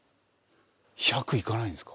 １００いかないんですか？